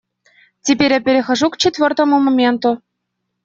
Теперь я перехожу к четвертому моменту.